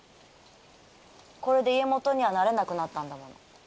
これで家元にはなれなくなったんだもん。